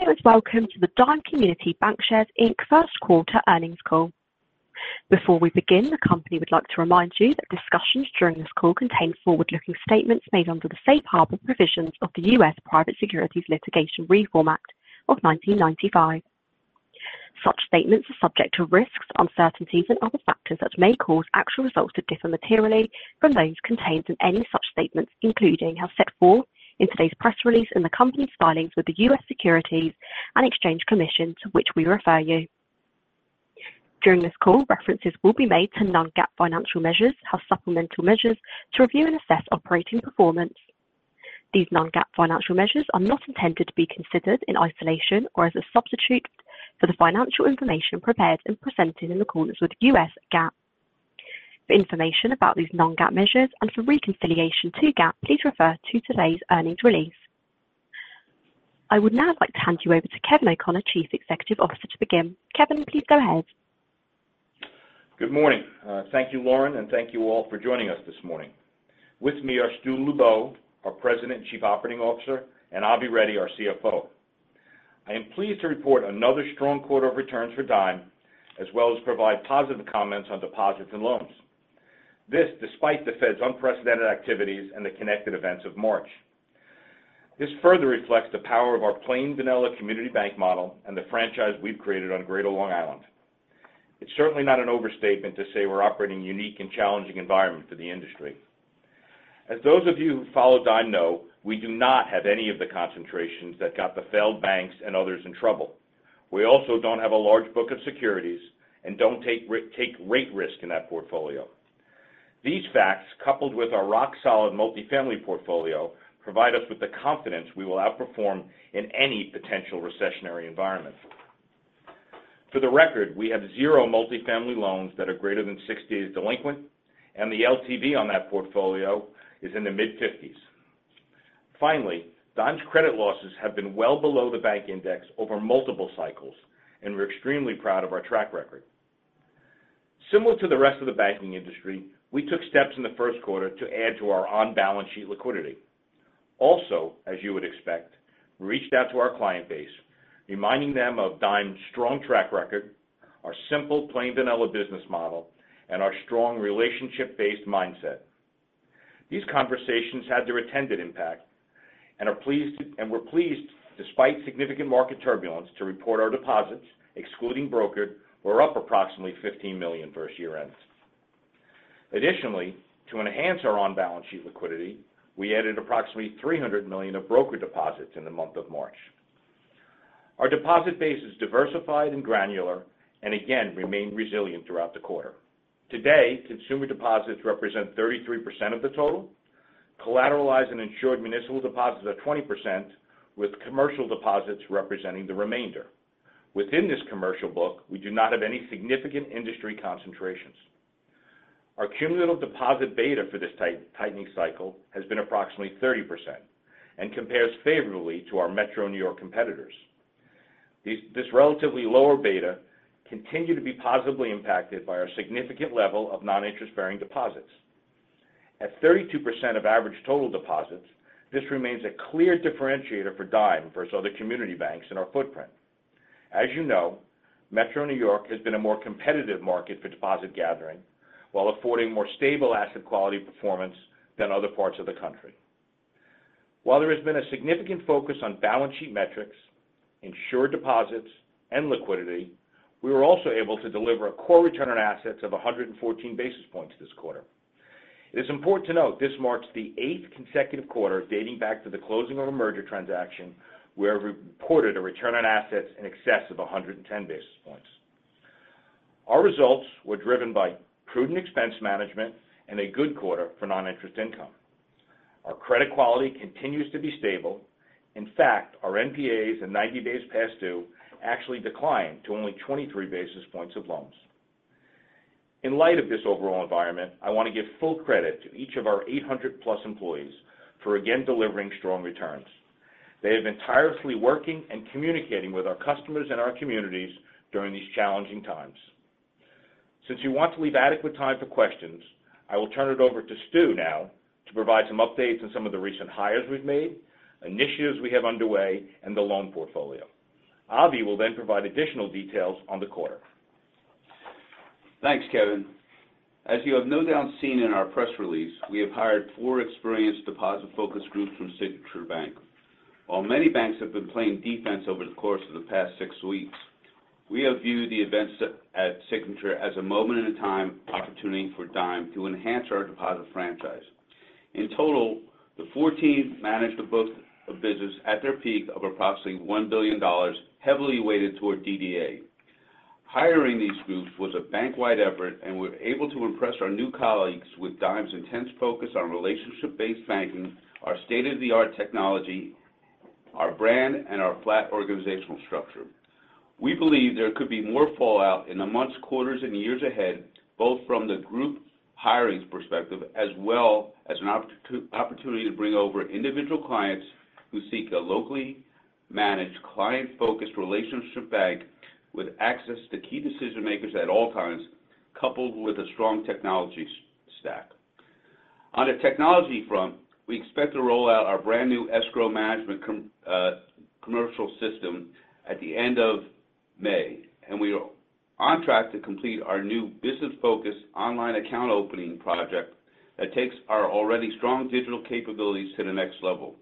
Hello, welcome to the Dime Community Bancshares, Inc. first quarter earnings call. Before we begin, the company would like to remind you that discussions during this call contain forward-looking statements made under the safe harbor provisions of the U.S. Private Securities Litigation Reform Act of 1995. Such statements are subject to risks, uncertainties, and other factors that may cause actual results to differ materially from those contained in any such statements, including as set forth in today's press release and the company's filings with the U.S. Securities and Exchange Commission, to which we refer you. During this call, references will be made to non-GAAP financial measures as supplemental measures to review and assess operating performance. These non-GAAP financial measures are not intended to be considered in isolation or as a substitute for the financial information prepared and presented in accordance with U.S. GAAP. For information about these non-GAAP measures and for reconciliation to GAAP, please refer to today's earnings release. I would now like to hand you over to Kevin O'Connor, Chief Executive Officer, to begin. Kevin, please go ahead. Good morning. Thank you, Lauren, and thank you all for joining us this morning. With me are Stu Lubow, our President and Chief Operating Officer, and Avi Reddy, our CFO. I am pleased to report another strong quarter of returns for Dime, as well as provide positive comments on deposits and loans. This despite the Fed's unprecedented activities and the connected events of March. This further reflects the power of our plain vanilla community bank model and the franchise we've created on Greater Long Island. It's certainly not an overstatement to say we're operating in a unique and challenging environment for the industry. As those of you who follow Dime know, we do not have any of the concentrations that got the failed banks and others in trouble. We also don't have a large book of securities and don't take rate risk in that portfolio. These facts, coupled with our rock-solid multifamily portfolio, provide us with the confidence we will outperform in any potential recessionary environment. For the record, we have zero multifamily loans that are greater than 60 days delinquent, and the LTV on that portfolio is in the mid-50s. Finally, Dime's credit losses have been well below the bank index over multiple cycles, and we're extremely proud of our track record. Similar to the rest of the banking industry, we took steps in the first quarter to add to our on-balance sheet liquidity. Also, as you would expect, we reached out to our client base, reminding them of Dime's strong track record, our simple plain vanilla business model, and our strong relationship-based mindset. These conversations had their intended impact and we're pleased, despite significant market turbulence, to report our deposits, excluding brokered, were up approximately $15 million versus year-end. Additionally, to enhance our on-balance sheet liquidity, we added approximately $300 million of broker deposits in the month of March. Our deposit base is diversified and granular and again remained resilient throughout the quarter. Today, consumer deposits represent 33% of the total. Collateralized and insured municipal deposits are 20%, with commercial deposits representing the remainder. Within this commercial book, we do not have any significant industry concentrations. Our cumulative deposit beta for this tightening cycle has been approximately 30% and compares favorably to our Metro New York competitors. This relatively lower beta continue to be positively impacted by our significant level of non-interest-bearing deposits. At 32% of average total deposits, this remains a clear differentiator for Dime versus other community banks in our footprint. As you know, Metro New York has been a more competitive market for deposit gathering while affording more stable asset quality performance than other parts of the country. While there has been a significant focus on balance sheet metrics, insured deposits, and liquidity, we were also able to deliver a core return on assets of 114 basis points this quarter. It is important to note this marks the eighth consecutive quarter dating back to the closing of a merger transaction where we reported a return on assets in excess of 110 basis points. Our results were driven by prudent expense management and a good quarter for non-interest income. Our credit quality continues to be stable. In fact, our NPAs and 90-day past due actually declined to only 23 basis points of loans. In light of this overall environment, I want to give full credit to each of our 800+ employees for again delivering strong returns. They have been tirelessly working and communicating with our customers and our communities during these challenging times. Since we want to leave adequate time for questions, I will turn it over to Stu now to provide some updates on some of the recent hires we've made, initiatives we have underway, and the loan portfolio. Avi will then provide additional details on the quarter. Thanks, Kevin. As you have no doubt seen in our press release, we have hired four experienced deposit-focused groups from Signature Bank. While many banks have been playing defense over the course of the past six weeks, we have viewed the events at Signature as a moment in time opportunity for Dime to enhance our deposit franchise. In total, the four teams managed a book of business at their peak of approximately $1 billion, heavily weighted toward DDA. Hiring these groups was a bank-wide effort, and we're able to impress our new colleagues with Dime's intense focus on relationship-based banking, our state-of-the-art technology, our brand, and our flat organizational structure. We believe there could be more fallout in the months, quarters, and years ahead, both from the group hirings perspective as well as an opportunity to bring over individual clients who seek a locally managed, client-focused relationship bank with access to key decision-makers at all times, coupled with a strong technology stack. On the technology front, we expect to roll out our brand new escrow management commercial system at the end of May, and we are on track to complete our new business focus online account opening project that takes our already strong digital capabilities to the next level.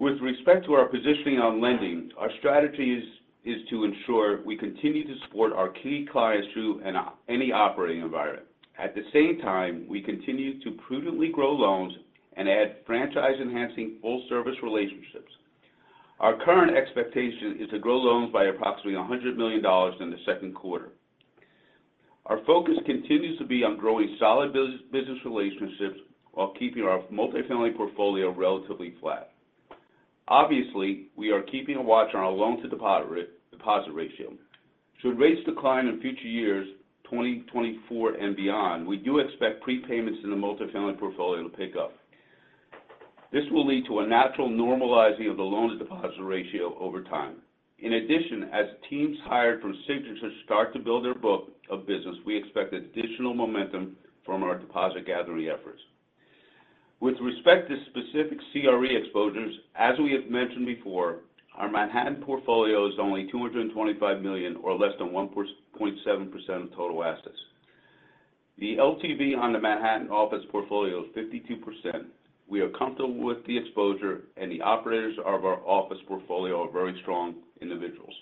With respect to our positioning on lending, our strategy is to ensure we continue to support our key clients through any operating environment. At the same time, we continue to prudently grow loans and add franchise-enhancing full-service relationships. Our current expectation is to grow loans by approximately $100 million in the second quarter. Our focus continues to be on growing solid business relationships while keeping our multifamily portfolio relatively flat. Obviously, we are keeping a watch on our loan-to-deposit ratio. Should rates decline in future years, 2024 and beyond, we do expect prepayments in the multifamily portfolio to pick up. This will lead to a natural normalizing of the loan-to-deposit ratio over time. In addition, as teams hired from Signature start to build their book of business, we expect additional momentum from our deposit gathering efforts. With respect to specific CRE exposures, as we have mentioned before, our Manhattan portfolio is only $225 million or less than 1.7% of total assets. The LTV on the Manhattan office portfolio is 52%. We are comfortable with the exposure. The operators of our office portfolio are very strong individuals.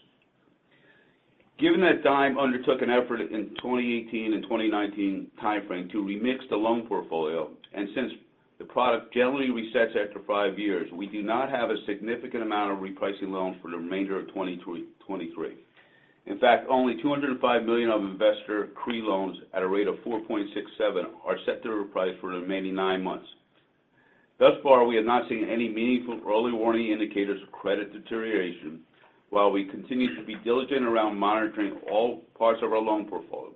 Given that Dime undertook an effort in 2018 and 2019 timeframe to remix the loan portfolio, and since the product generally resets after five years, we do not have a significant amount of repricing loans for the remainder of 2023. In fact, only $205 million of investor CRE loans at a rate of 4.67% are set to reprice for the remaining nine months. Thus far, we have not seen any meaningful early warning indicators of credit deterioration, while we continue to be diligent around monitoring all parts of our loan portfolio.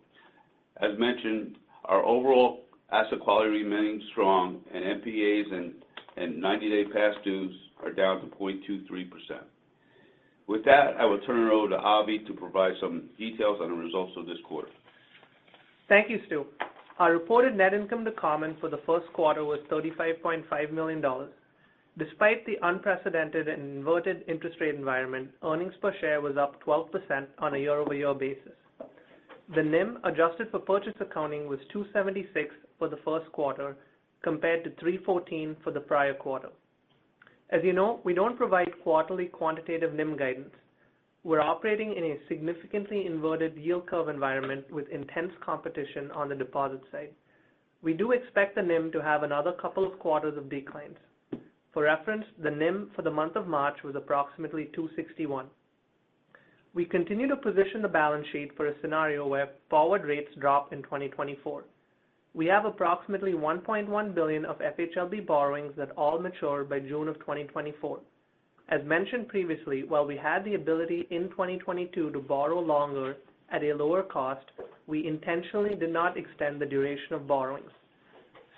As mentioned, our overall asset quality remains strong and NPAs and 90-day past dues are down to 0.23%. With that, I will turn it over to Avi to provide some details on the results of this quarter. Thank you, Stu. Our reported net income to common for the first quarter was $35.5 million. Despite the unprecedented and inverted interest rate environment, earnings per share was up 12% on a year-over-year basis. The NIM adjusted for purchase accounting was 2.76 for the first quarter, compared to 3.14 for the prior quarter. As you know, we don't provide quarterly quantitative NIM guidance. We're operating in a significantly inverted yield curve environment with intense competition on the deposit side. We do expect the NIM to have another couple of quarters of declines. For reference, the NIM for the month of March was approximately 2.61. We continue to position the balance sheet for a scenario where forward rates drop in 2024. We have approximately $1.1 billion of FHLB borrowings that all mature by June of 2024. As mentioned previously, while we had the ability in 2022 to borrow longer at a lower cost, we intentionally did not extend the duration of borrowings.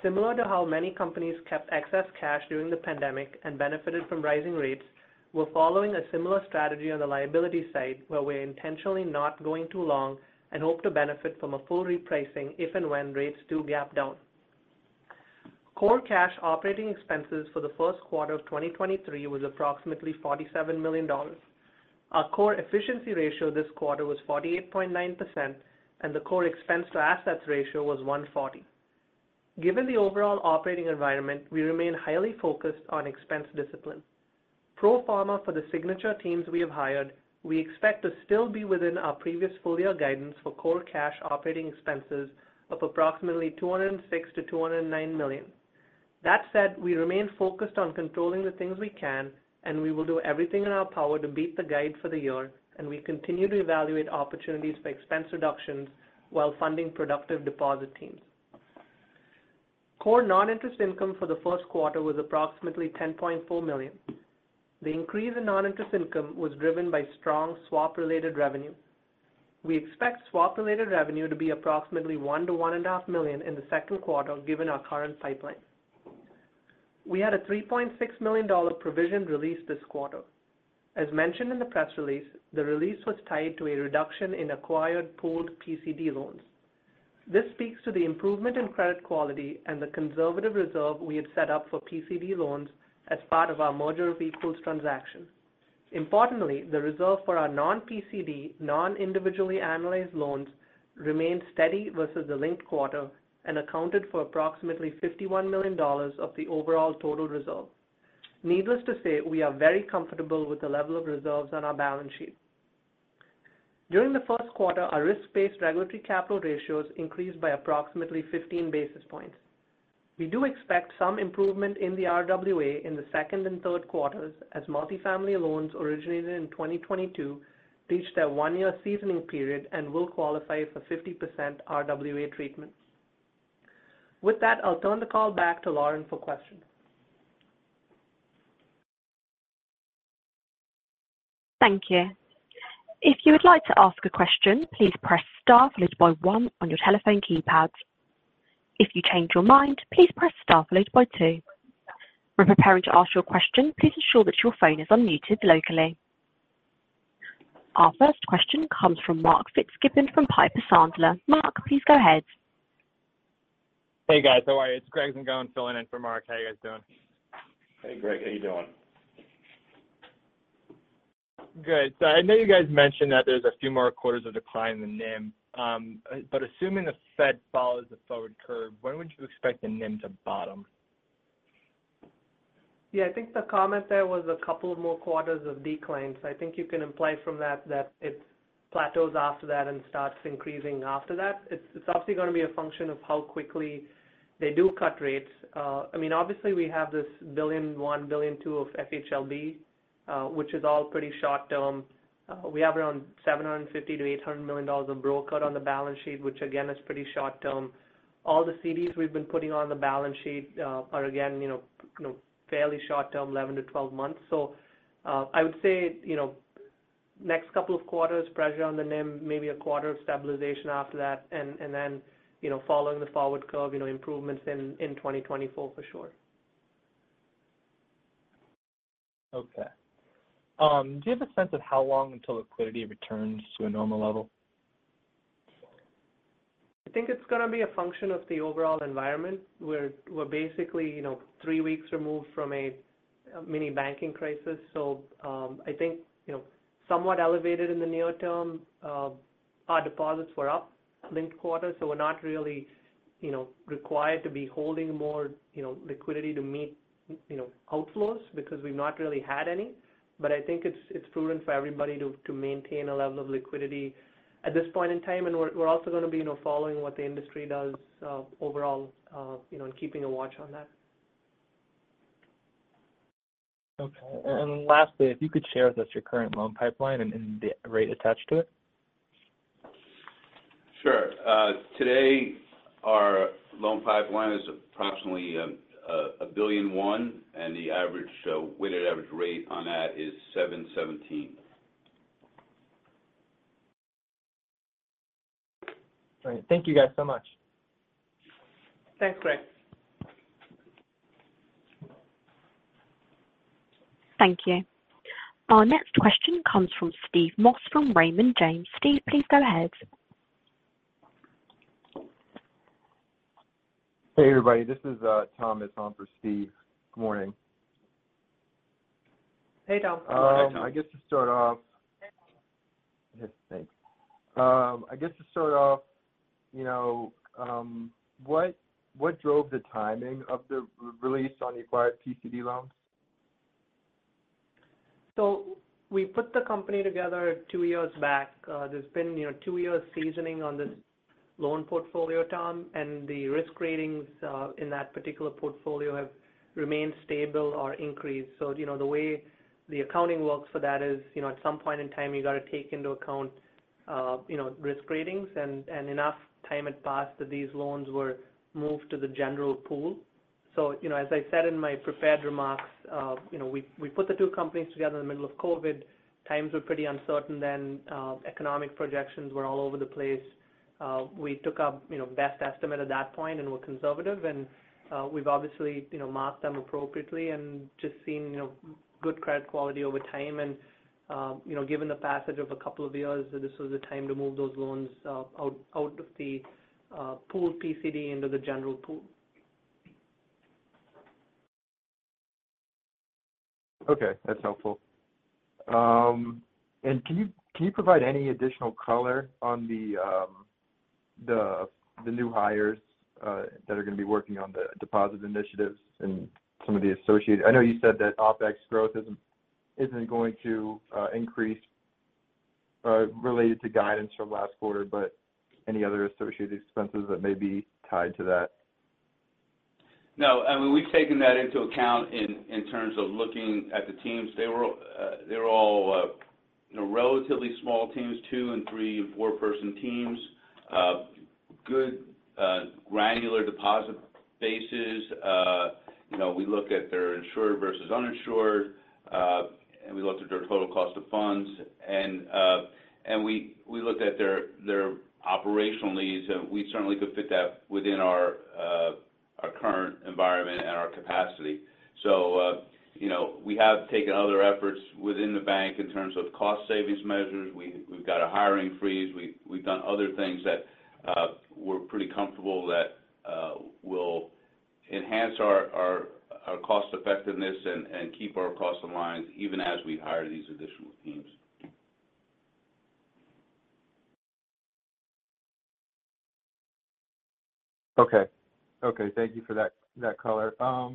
Similar to how many companies kept excess cash during the pandemic and benefited from rising rates, we're following a similar strategy on the liability side, where we're intentionally not going too long and hope to benefit from a full repricing if and when rates do gap down. Core cash operating expenses for the first quarter of 2023 was approximately $47 million. Our core efficiency ratio this quarter was 48.9%, and the core expense to assets ratio was 1.40%. Given the overall operating environment, we remain highly focused on expense discipline. Pro forma for the Signature teams we have hired, we expect to still be within our previous full year guidance for core cash operating expenses of approximately $206 million-$209 million. That said, we remain focused on controlling the things we can, and we will do everything in our power to beat the guide for the year, and we continue to evaluate opportunities for expense reductions while funding productive deposit teams. Core non-interest income for the first quarter was approximately $10.4 million. The increase in non-interest income was driven by strong swap-related revenue. We expect swap-related revenue to be approximately $1 million-$1.5 million in the second quarter, given our current pipeline. We had a $3.6 million provision release this quarter. As mentioned in the press release, the release was tied to a reduction in acquired pooled PCD loans. This speaks to the improvement in credit quality and the conservative reserve we had set up for PCD loans as part of our merger-of-equals transaction. Importantly, the reserve for our non-PCD non-individually analyzed loans remained steady versus the linked quarter and accounted for approximately $51 million of the overall total reserve. Needless to say, we are very comfortable with the level of reserves on our balance sheet. During the first quarter, our risk-based regulatory capital ratios increased by approximately 15 basis points. We do expect some improvement in the RWA in the second and third quarters as multifamily loans originated in 2022 reached their one-year seasoning period and will qualify for 50% RWA treatment. With that, I'll turn the call back to Lauren for questions. Thank you. If you would like to ask a question, please press star followed by one on your telephone keypad. If you change your mind, please press star followed by two. When preparing to ask your question, please ensure that your phone is unmuted locally. Our first question comes from Mark Fitzgibbon from Piper Sandler. Mark, please go ahead. Hey guys, how are you? It's Greg Zingone filling in for Mark. How are you guys doing? Hey, Greg. How are you doing? Good. I know you guys mentioned that there's a few more quarters of decline in the NIM. Assuming the Fed follows the forward curve, when would you expect the NIM to bottom? Yeah. I think the comment there was a couple of more quarters of declines. I think you can imply from that it plateaus after that and starts increasing after that. It's obviously going to be a function of how quickly they do cut rates. I mean, obviously we have this $1.1 billion-$1.2 billion of FHLB, which is all pretty short-term. We have around $750 million-$800 million of broker on the balance sheet, which again is pretty short term. All the CDs we've been putting on the balance sheet, are again, you know, fairly short term, 11-12 months. I would say, you know, next couple of quarters, pressure on the NIM, maybe a quarter of stabilization after that. Then, you know, following the forward curve, you know, improvements in 2024 for sure. Okay. Do you have a sense of how long until liquidity returns to a normal level? I think it's gonna be a function of the overall environment. We're basically, you know, three weeks removed from a mini banking crisis. I think, you know, somewhat elevated in the near term. Our deposits were up linked quarter, so we're not really, you know, required to be holding more, you know, liquidity to meet, you know, outflows because we've not really had any. I think it's prudent for everybody to maintain a level of liquidity at this point in time. We're also going to be, you know, following what the industry does, overall, you know, and keeping a watch on that. Okay. Lastly, if you could share with us your current loan pipeline and the rate attached to it. Sure. Today, our loan pipeline is approximately $1.1 billion, and the average weighted average rate on that is 7.17%. All right. Thank you guys so much. Thanks, Greg. Thank you. Our next question comes from Steve Moss from Raymond James. Steve, please go ahead. Hey, everybody. This is Tom. It's on for Steve. Good morning. Hey, Tom. I guess to start off. Yes. Thanks. I guess to start off, what drove the timing of the release on acquired PCD loans? We put the company together two years back. There's been, you know, two years seasoning on this loan portfolio, Tom, and the risk ratings in that particular portfolio have remained stable or increased. You know, the way the accounting works for that is, you know, at some point in time you got to take into account, you know, risk ratings. Enough time had passed that these loans were moved to the general pool. You know, as I said in my prepared remarks, you know, we put the two companies together in the middle of COVID. Times were pretty uncertain then. Economic projections were all over the place. We took our, you know, best estimate at that point and were conservative. We've obviously, you know, marked them appropriately and just seen, you know, good credit quality over time. You know, given the passage of a couple of years, this was the time to move those loans out of the, pool PCD into the general pool. Okay. That's helpful. Can you provide any additional color on the new hires that are going to be working on the deposit initiatives and some of the associated, I know you said that OpEx growth isn't going to increase related to guidance from last quarter, any other associated expenses that may be tied to that? No. I mean, we've taken that into account in terms of looking at the teams. They were, they're all, you know, relatively small teams, two and three and four-person teams. Good, granular deposit bases. You know, we look at their insured versus uninsured, and we looked at their total cost of funds. We looked at their operational needs, and we certainly could fit that within our current environment and our capacity. You know, we have taken other efforts within the bank in terms of cost savings measures. We've got a hiring freeze. We've done other things that we're pretty comfortable that will enhance our cost effectiveness and keep our costs in line even as we hire these additional teams. Okay. Okay. Thank you for that color. My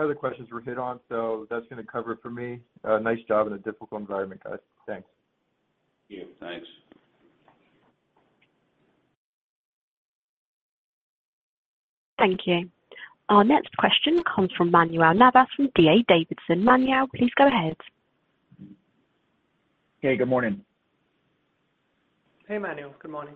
other questions were hit on, so that's going to cover it for me. Nice job in a difficult environment, guys. Thanks. Yeah, thanks. Thank you. Our next question comes from Manuel Navas from D.A. Davidson. Manuel, please go ahead. Hey, good morning. Hey, Manuel. Good morning.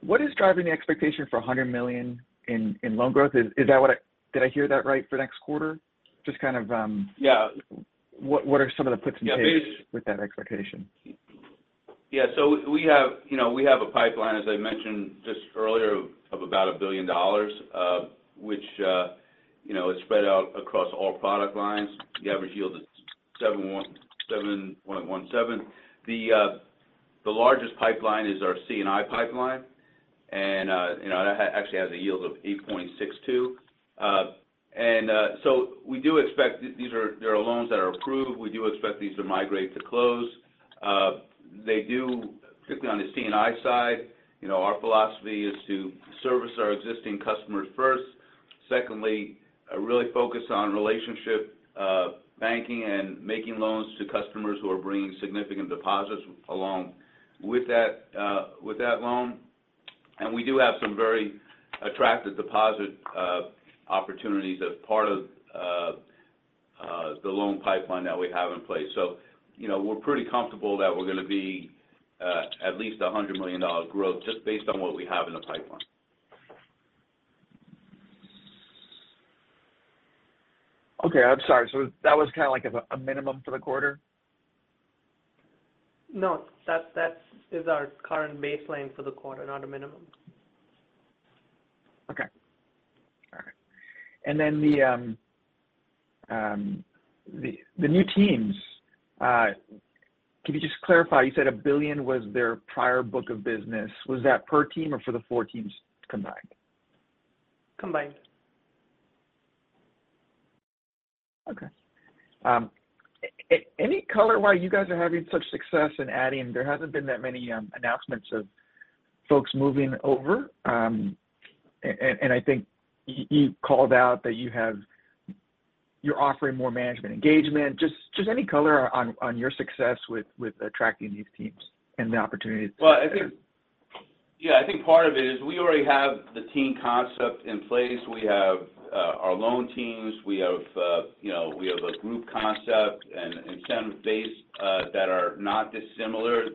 What is driving the expectation for $100 million in loan growth? Did I hear that right for next quarter? Just kind of. Yeah. What are some of the puts and takes with that expectation? Yeah. We have, you know, we have a pipeline, as I mentioned just earlier, of about $1 billion, which, you know, is spread out across all product lines. The average yield is 7.17%. The largest pipeline is our C&I pipeline, you know, that actually has a yield of 8.62%. We do expect they are loans that are approved. We do expect these to migrate to close. They do, particularly on the C&I side, you know, our philosophy is to service our existing customers first. Secondly, really focus on relationship banking and making loans to customers who are bringing significant deposits along with that, with that loan. We do have some very attractive deposit opportunities as part of the loan pipeline that we have in place. You know, we're pretty comfortable that we're gonna be at least $100 million growth just based on what we have in the pipeline. Okay. I'm sorry. That was kind of like a minimum for the quarter? No, that's, that is our current baseline for the quarter, not a minimum. Okay. All right. The new teams, can you just clarify? You said $1 billion was their prior book of business. Was that per team or for the four teams combined? Combined. Any color why you guys are having such success in adding? There hasn't been that many announcements of folks moving over. I think you called out that you have. You're offering more management engagement. Just any color on your success with attracting these teams and the opportunities there. Well, I think. Yeah, I think part of it is we already have the team concept in place. We have our loan teams. We have, you know, we have a group concept and some base that are not dissimilar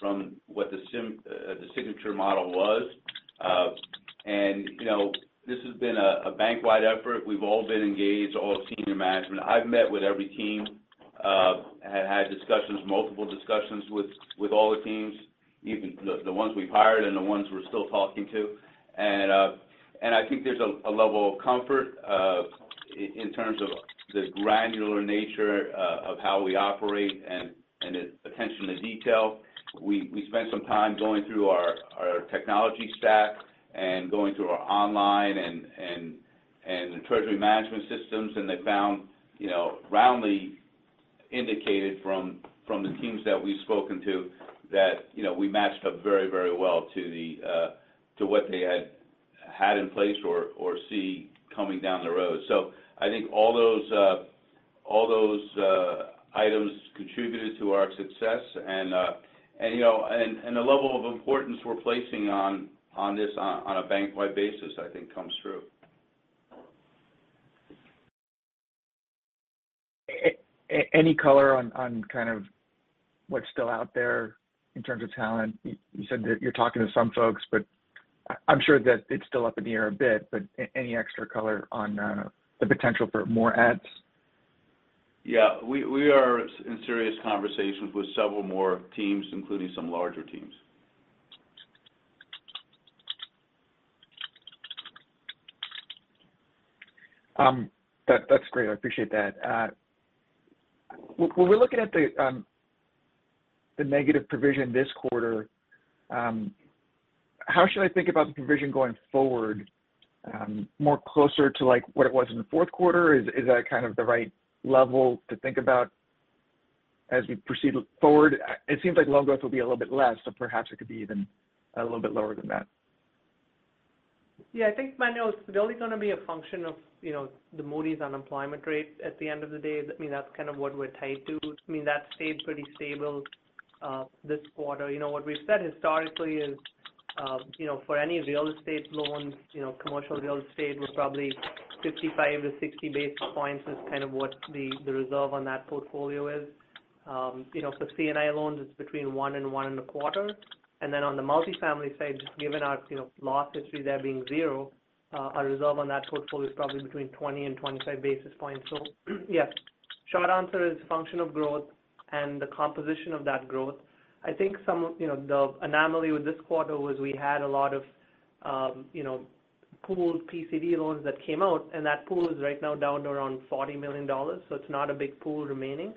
from what the Signature model was. You know, this has been a bank-wide effort. We've all been engaged, all senior management. I've met with every team and had discussions, multiple discussions with all the teams, even the ones we've hired and the ones we're still talking to. I think there's a level of comfort in terms of the granular nature of how we operate and the attention to detail. We spent some time going through our technology stack and going through our online and the treasury management systems. They found, you know, roundly indicated from the teams that we've spoken to that, you know, we matched up very, very well to what they had in place or see coming down the road. I think all those items contributed to our success and you know, and the level of importance we're placing on this on a bank-wide basis, I think comes through. Any color on kind of what's still out there in terms of talent? You said that you're talking to some folks, but I'm sure that it's still up in the air a bit, but any extra color on the potential for more adds? Yeah. We are in serious conversations with several more teams, including some larger teams. That's great. I appreciate that. When we're looking at the negative provision this quarter, how should I think about the provision going forward? More closer to like what it was in the fourth quarter? Is that kind of the right level to think about as we proceed forward? It seems like loan growth will be a little bit less, so perhaps it could be even a little bit lower than that. Yeah. I think, Manuel, it's really gonna be a function of, you know, the Moody's unemployment rate at the end of the day. I mean, that's kind of what we're tied to. I mean, that stayed pretty stable this quarter. You know, what we've said historically is, you know, for any real estate loans, you know, commercial real estate was probably 55-60 basis points is kind of what the reserve on that portfolio is. You know, for C&I loans, it's between 1 and 1.25. On the multifamily side, given our, you know, loss history there being zero, our reserve on that portfolio is probably between 20 and 25 basis points. Yeah. Short answer is function of growth and the composition of that growth. I think some of, you know, the anomaly with this quarter was we had a lot of, you know, pooled PCD loans that came out, and that pool is right now down to around $40 million, so it's not a big pool remaining.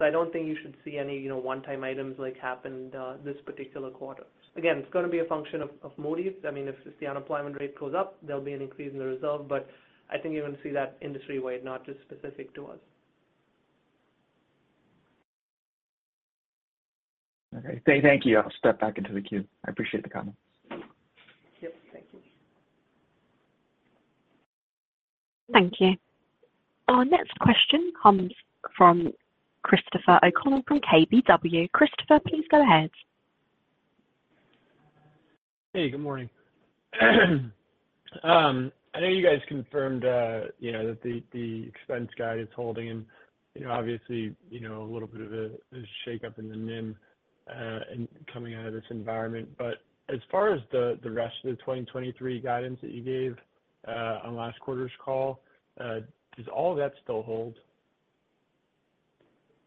I don't think you should see any, you know, one-time items like happened this particular quarter. Again, it's gonna be a function of Moody's. I mean, if the unemployment rate goes up, there'll be an increase in the reserve. I think you're gonna see that industry-wide, not just specific to us. Okay. Thank you. I'll step back into the queue. I appreciate the comment. Yep. Thank you. Thank you. Our next question comes from Christopher O'Connell from KBW. Christopher, please go ahead. Hey. Good morning. I know you guys confirmed, you know, that the expense guide is holding and, you know, obviously, you know, a little bit of a shakeup in the NIM coming out of this environment. As far as the rest of the 2023 guidance that you gave on last quarter's call, does all that still hold?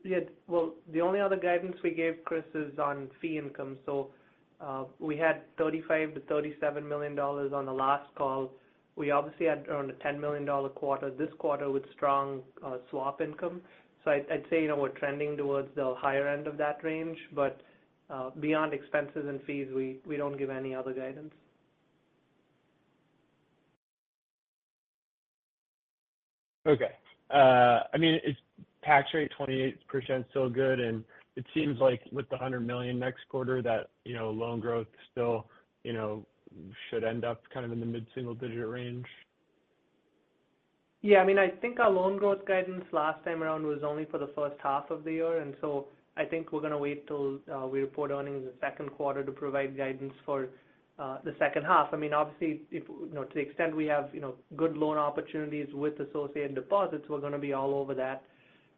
Yeah. Well, the only other guidance we gave, Chris, is on fee income. We had $35 million-$37 million on the last call. We obviously had around a $10 million quarter this quarter with strong swap income. I'd say, you know, we're trending towards the higher end of that range. Beyond expenses and fees, we don't give any other guidance. Okay. I mean, is tax rate 28% still good? It seems like with the $100 million next quarter that, you know, loan growth still, you know, should end up kind of in the mid-single-digit range. I mean, I think our loan growth guidance last time around was only for the first half of the year. I think we're gonna wait till we report earnings in the second quarter to provide guidance for the second half. I mean obviously, you know, to the extent we have, you know, good loan opportunities with associated deposits, we're gonna be all over that.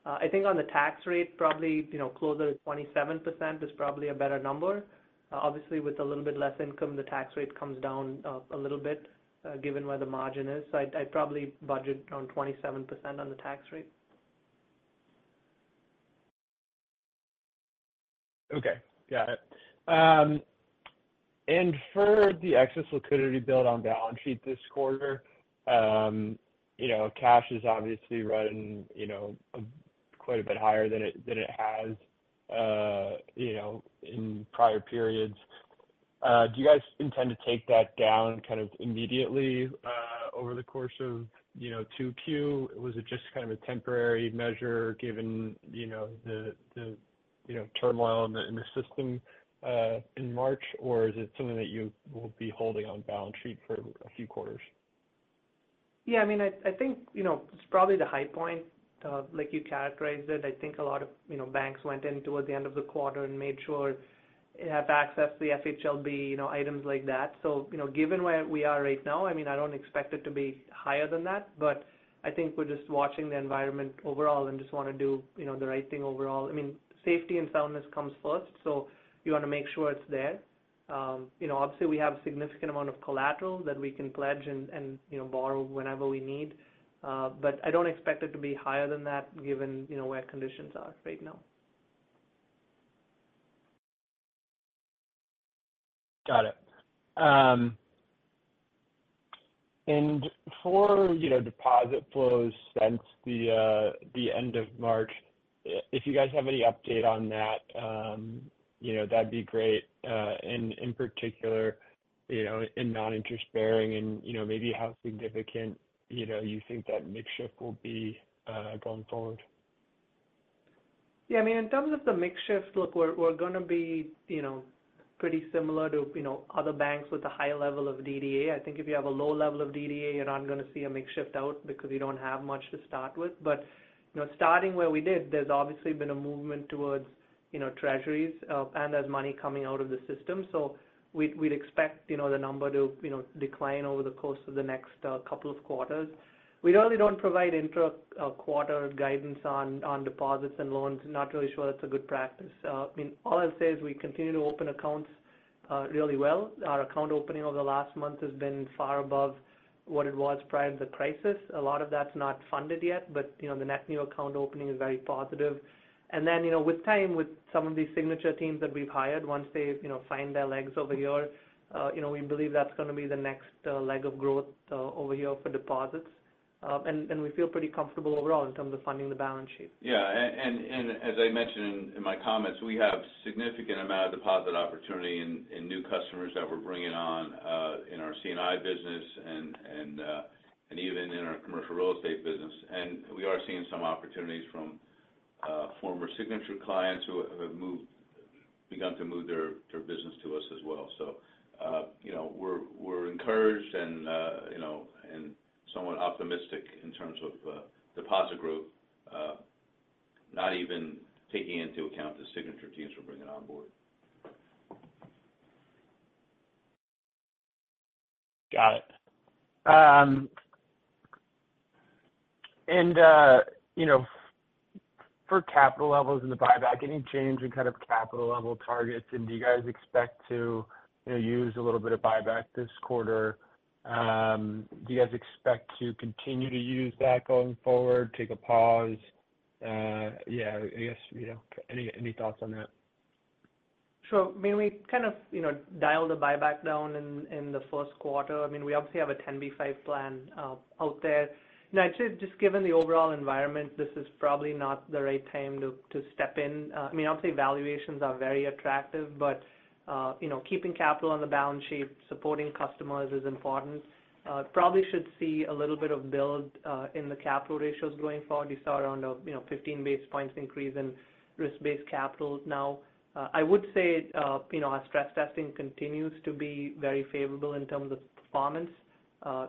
I think on the tax rate, probably, you know, closer to 27% is probably a better number. Obviously, with a little bit less income, the tax rate comes down a little bit given where the margin is. I'd probably budget around 27% on the tax rate. Okay. Got it. For the excess liquidity build on balance sheet this quarter, you know, cash is obviously running, you know, quite a bit higher than it has, you know, in prior periods. Do you guys intend to take that down kind of immediately, over the course of, you know, 2Q? Was it just kind of a temporary measure given, you know, the, you know, turmoil in the system, in March, or is it something that you will be holding on balance sheet for a few quarters? Yeah, I mean, I think, you know, it's probably the high point of like you characterized it. I think a lot of, you know, banks went in towards the end of the quarter and made sure they have access to the FHLB, you know, items like that. Given where we are right now, I mean, I don't expect it to be higher than that. I think we're just watching the environment overall and just wanna do, you know, the right thing overall. I mean, safety and soundness comes first, so you want to make sure it's there. You know, obviously, we have significant amount of collateral that we can pledge and, you know, borrow whenever we need. I don't expect it to be higher than that given, you know, where conditions are right now. Got it. And for, you know, deposit flows since the end of March, if you guys have any update on that, you know, that'd be great. And in particular, you know, in non-interest bearing and, you know, maybe how significant, you know, you think that mix shift will be going forward. Yeah. I mean, in terms of the mix shifts, look, we're gonna be, you know, pretty similar to, you know, other banks with a high level of DDA. I think if you have a low level of DDA, you're not gonna see a mix shift out because you don't have much to start with. You know, starting where we did, there's obviously been a movement towards, you know, treasuries, and there's money coming out of the system. We'd expect, you know, the number to, you know, decline over the course of the next couple of quarters. We really don't provide intra quarter guidance on deposits and loans. Not really sure that's a good practice. I mean, all I'll say is we continue to open accounts really well. Our account opening over the last month has been far above what it was prior to the crisis. A lot of that's not funded yet, but, you know, the net new account opening is very positive. You know, with time, with some of these Signature teams that we've hired, once they've, you know, find their legs over here, you know, we believe that's gonna be the next leg of growth over here for deposits. We feel pretty comfortable overall in terms of funding the balance sheet. Yeah. As I mentioned in my comments, we have significant amount of deposit opportunity in new customers that we're bringing on, in our C&I business and even in our commercial real estate business. We are seeing some opportunities from former Signature clients who have begun to move their business to us as well. You know, we're encouraged and, you know, somewhat optimistic in terms of deposit growth, not even taking into account the Signature teams we're bringing on board. Got it. You know, for capital levels in the buyback, any change in kind of capital level targets? Do you guys expect to, you know, use a little bit of buyback this quarter? Do you guys expect to continue to use that going forward? Take a pause? Yeah, I guess, you know, any thoughts on that? Sure. I mean, we kind of, you know, dialed the buyback down in the first quarter. I mean, we obviously have a 10b5-1 plan out there. I'd say just given the overall environment, this is probably not the right time to step in. I mean, obviously valuations are very attractive, but, you know, keeping capital on the balance sheet, supporting customers is important. Probably should see a little bit of build in the capital ratios going forward. You saw around a, you know, 15 basis points increase in risk-based capital now. I would say, you know, our stress testing continues to be very favorable in terms of performance.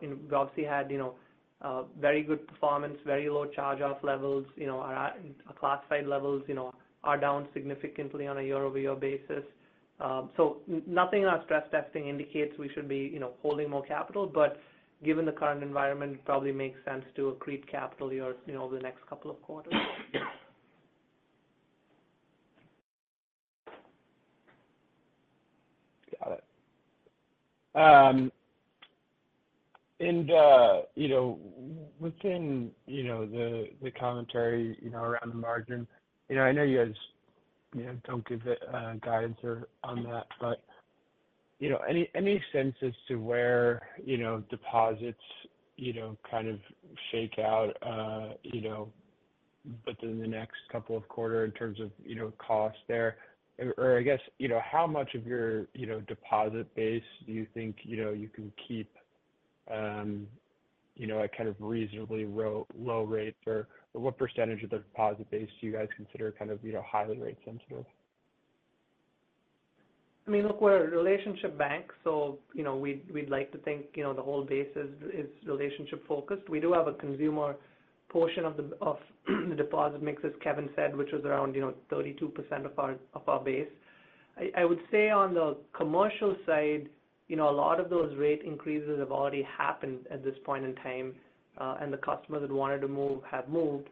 We obviously had, you know, very good performance, very low charge-off levels. You know, our classified levels, you know, are down significantly on a year-over-year basis. Nothing on stress testing indicates we should be, you know, holding more capital. Given the current environment, it probably makes sense to accrete capital here, you know, over the next couple of quarters. Got it. You know, within, you know, the commentary, you know, around the margin, you know, I know you guys, you know, don't give guidance or on that, but, you know, any sense as to where, you know, deposits, you know, kind of shake out, you know, within the next couple of quarter in terms of, you know, costs there? I guess, you know, how much of your, you know, deposit base do you think, you know, you can keep, you know, at kind of reasonably low rates? What percentage of the deposit base do you guys consider kind of, you know, highly rate sensitive? I mean, look, we're a relationship bank, so you know, we'd like to think, you know, the whole base is relationship focused. We do have a consumer portion of the deposit mix, as Kevin said, which is around, you know, 32% of our base. I would say on the commercial side, you know, a lot of those rate increases have already happened at this point in time, and the customers that wanted to move have moved.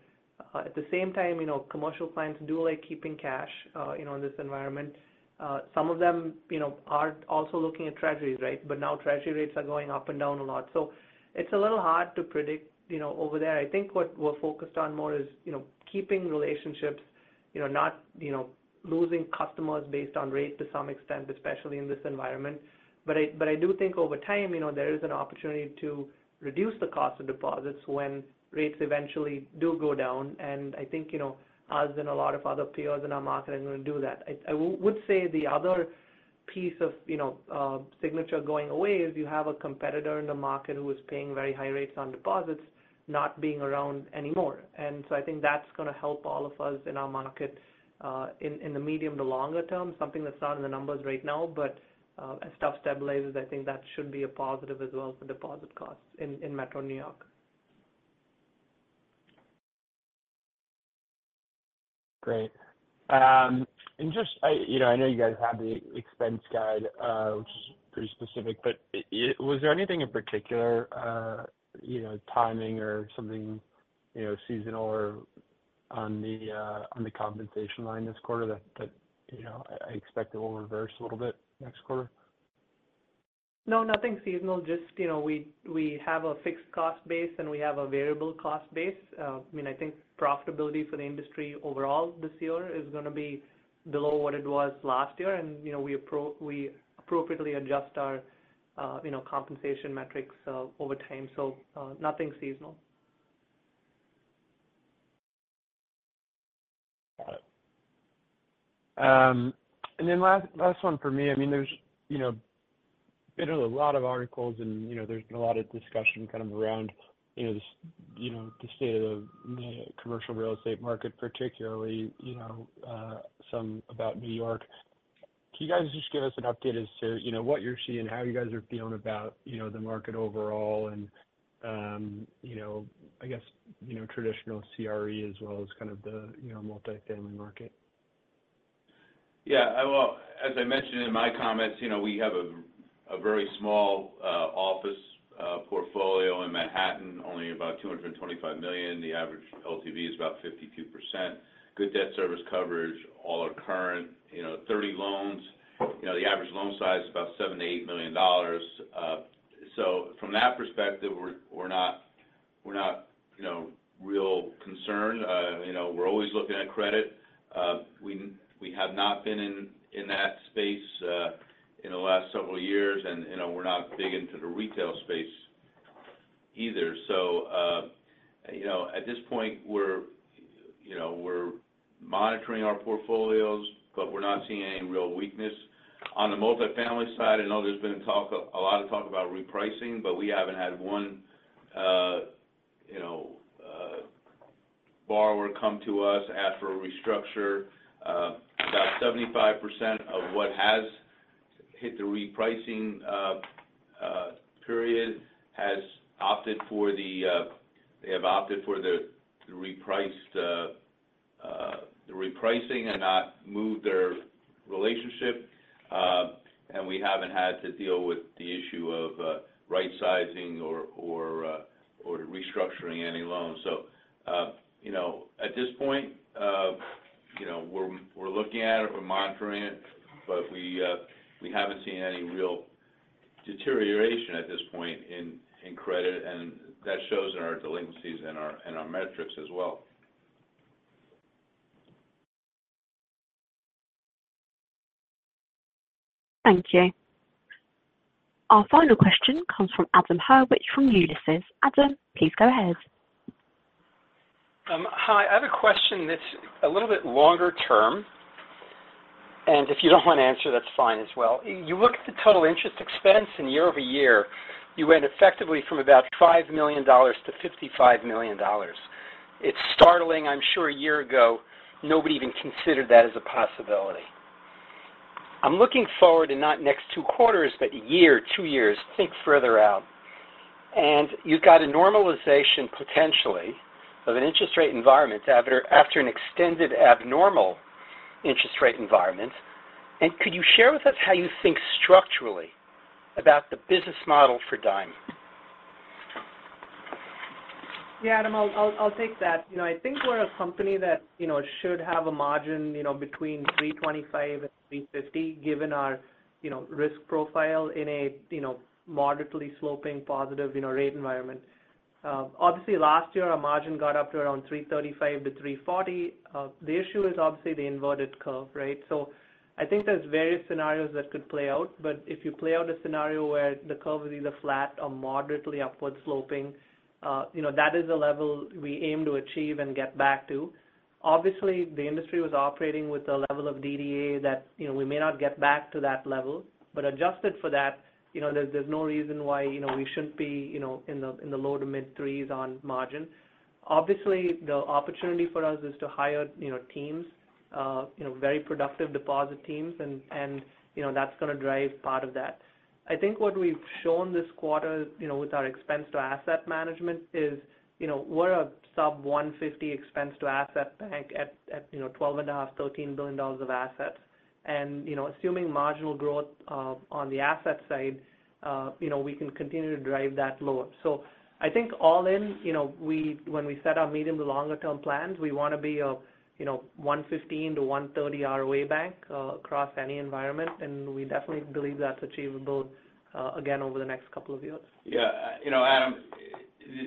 At the same time, you know, commercial clients do like keeping cash, you know, in this environment. Some of them, you know, are also looking at treasuries, right? Now treasury rates are going up and down a lot. It's a little hard to predict, you know, over there. I think what we're focused on more is, you know, keeping relationships, you know, not, you know, losing customers based on rate to some extent, especially in this environment. But I, but I do think over time, you know, there is an opportunity to reduce the cost of deposits when rates eventually do go down. And I think, you know, us and a lot of other peers in our market are gonna do that. I would say the other piece of, you know, Signature going away is you have a competitor in the market who was paying very high rates on deposits not being around anymore. And so I think that's gonna help all of us in our market, in the medium to longer term, something that's not in the numbers right now. As stuff stabilizes, I think that should be a positive as well for deposit costs in Metro New York. Great. Just, I, you know, I know you guys have the expense guide, which is pretty specific, but was there anything in particular, you know, timing or something, you know, seasonal or on the compensation line this quarter that, you know, I expect it will reverse a little bit next quarter? No, nothing seasonal. Just, you know, we have a fixed cost base, and we have a variable cost base. I mean, I think profitability for the industry overall this year is gonna be below what it was last year. You know, we appropriately adjust our, you know, compensation metrics over time, so nothing seasonal. Got it. Last one for me. I mean, there's, you know, been a lot of articles and, you know, there's been a lot of discussion kind of around, you know, this, you know, the state of the commercial real estate market particularly, you know, some about New York. Can you guys just give us an update as to, you know, what you're seeing and how you guys are feeling about, you know, the market overall and, you know, I guess, you know, traditional CRE as well as kind of the, you know, multifamily market? Well, as I mentioned in my comments, you know, we have a very small office portfolio in Manhattan, only about $225 million. The average LTV is about 52%. Good debt service coverage. All are current. You know, 30 loans. You know, the average loan size is about $7 million-$8 million. From that perspective, we're not, you know, real concerned. You know, we're always looking at credit. We have not been in that space in the last several years and, you know, we're not big into the retail space either. At this point we're, you know, we're monitoring our portfolios, but we're not seeing any real weakness. On the multifamily side, I know there's been a lot of talk about repricing, but we haven't had one, you know, borrower come to us, ask for a restructure. About 75% of what has hit the repricing period has opted for the, they have opted for the repriced, the repricing and not move their relationship. We haven't had to deal with the issue of right-sizing or restructuring any loans. You know, at this point, you know, we're looking at it, we're monitoring it, but we haven't seen any real deterioration at this point in credit, and that shows in our delinquencies and our metrics as well. Thank you. Our final question comes from Adam Hurwich from Ulysses. Adam, please go ahead. Hi. I have a question that's a little bit longer term, If you don't want to answer, that's fine as well. You look at the total interest expense in year-over-year, you went effectively from about $5 million-$55 million. It's startling. I'm sure a year ago nobody even considered that as a possibility. I'm looking forward to not next two quarters, but a year, two years. Think further out. You've got a normalization potentially of an interest rate environment after an extended abnormal interest rate environment. Could you share with us how you think structurally about the business model for Dime? Adam, I'll take that. You know, I think we're a company that, you know, should have a margin, you know, between 3.25% and 3.50%, given our, you know, risk profile in a, you know, moderately sloping positive, you know, rate environment. Obviously, last year our margin got up to around 3.35%-3.40%. The issue is obviously the inverted curve, right? I think there's various scenarios that could play out, but if you play out a scenario where the curve is either flat or moderately upward sloping, you know, that is the level we aim to achieve and get back to. Obviously, the industry was operating with a level of DDA that, you know, we may not get back to that level. Adjusted for that, you know, there's no reason why, you know, we shouldn't be, you know, in the low to mid-3% on margin. Obviously, the opportunity for us is to hire, you know, teams, you know, very productive deposit teams and, you know, that's gonna drive part of that. I think what we've shown this quarter, you know, with our expense to asset management is, you know, we're a sub 150 expense to asset bank at, you know, $12.5 billion-$13 billion of assets. You know, assuming marginal growth on the asset side, you know, we can continue to drive that lower. I think all in, you know, when we set our medium to longer term plans, we want to be a, you know, 1.15%-1.30% ROA bank across any environment, and we definitely believe that's achievable again over the next couple of years. Yeah. You know, Adam,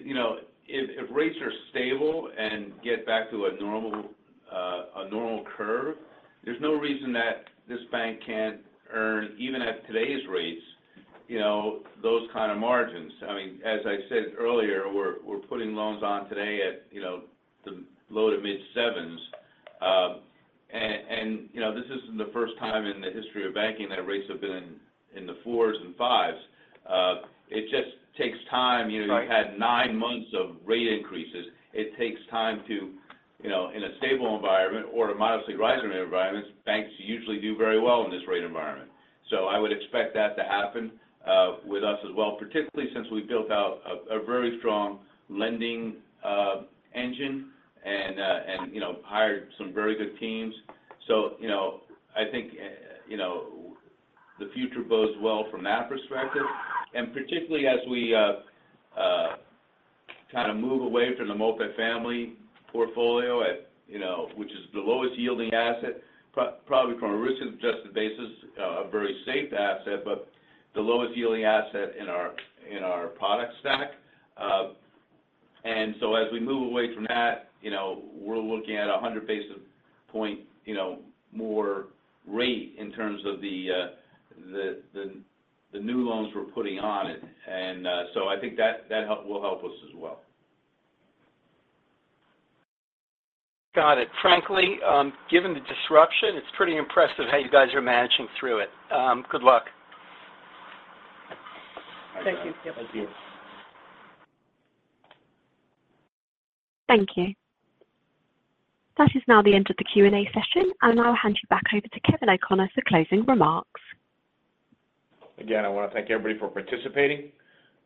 you know, if rates are stable and get back to a normal, a normal curve, there's no reason that this bank can't earn even at today's rates, you know, those kind of margins. I mean, as I said earlier, we're putting loans on today at, you know, the low to mid sevens. You know, this isn't the first time in the history of banking that rates have been in the fours and fives. It just takes time. You know, you had nine months of rate increases. It takes time to, you know, in a stable environment or a modestly rising rate environment, banks usually do very well in this rate environment. I would expect that to happen with us as well, particularly since we've built out a very strong lending engine and, you know, hired some very good teams. You know, I think, you know, the future bodes well from that perspective. Particularly as we kind of move away from the multifamily portfolio at, you know, which is the lowest yielding asset, probably from a risk-adjusted basis, a very safe asset, but the lowest yielding asset in our, in our product stack. As we move away from that, you know, we're looking at 100 basis point, you know, more rate in terms of the new loans we're putting on it. I think that will help us as well. Got it. Frankly, given the disruption, it's pretty impressive how you guys are managing through it. Good luck. Thank you. Thank you. Thank you. That is now the end of the Q&A session, and I'll hand you back over to Kevin O'Connor for closing remarks. Again, I wanna thank everybody for participating.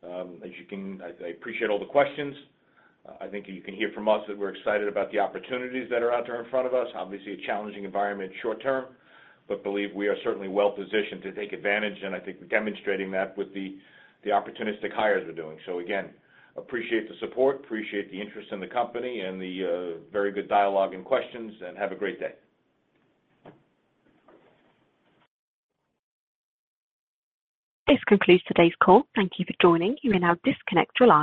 I appreciate all the questions. I think you can hear from us that we're excited about the opportunities that are out there in front of us. Obviously, a challenging environment short term, but believe we are certainly well positioned to take advantage, and I think we're demonstrating that with the opportunistic hires we're doing. Again, appreciate the support, appreciate the interest in the company and the very good dialogue and questions, and have a great day. This concludes today's call. Thank you for joining. You may now disconnect your line.